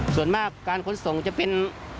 ส่วนมากการขนส่งจะเป็น